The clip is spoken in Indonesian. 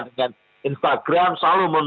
dengan instagram selalu